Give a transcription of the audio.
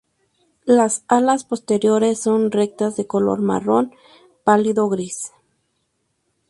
Las alas posteriores son rectas de color marrón pálido-gris.